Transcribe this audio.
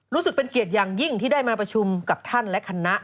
รู้สึกเป็นเกียรติอย่างยิ่งที่ได้มาประชุมกับท่านและคณะ